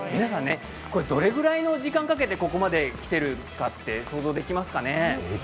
どれぐらいの時間をかけてここまできているか想像できますか？